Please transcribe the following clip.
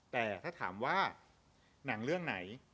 แต่ถ้าถามว่าหนังเรื่องไหน